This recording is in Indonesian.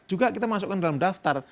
juga kita masukkan dalam daftar